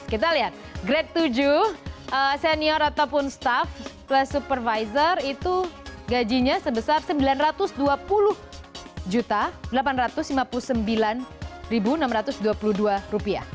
kita lihat grade tujuh senior ataupun staff plus supervisor itu gajinya sebesar rp sembilan ratus dua puluh delapan ratus lima puluh sembilan enam ratus dua puluh dua